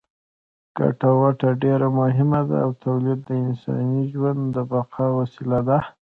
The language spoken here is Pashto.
ګټه وټه ډېره مهمه ده او تولید د انساني ژوند د بقا وسیله ده.